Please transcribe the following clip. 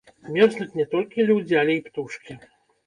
Мёрзнуць не толькі людзі, але і птушкі.